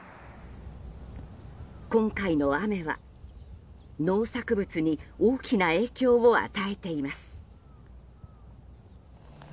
今回の雨は農作物に大きな影響を与えています。